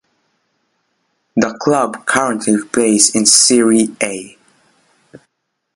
The club currently plays in Serie A.